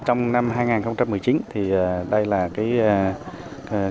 trong năm hai nghìn một mươi chín thì đây là cái công trình